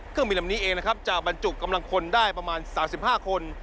เครื่องบินลำนี้เองนะครับจะบรรจุกำลังคนได้ประมาณ๓๕คน